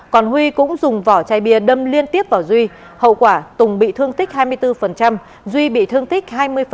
còn huy cũng dùng vỏ chai bia đâm liên tiếp vào duy hậu quả tùng bị thương tích hai mươi bốn duy bị thương tích hai mươi